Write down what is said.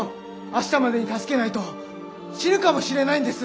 明日までに助けないと死ぬかもしれないんです！